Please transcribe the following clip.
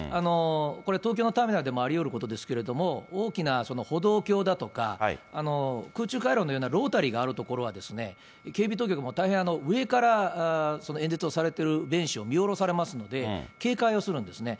これ、東京のターミナルでもありうることですけれども、大きな歩道橋だとか、空中回廊のようなロータリーがある所は、警備当局も大変、上から演説をされてる現地を見下ろせますので警戒をするんですね。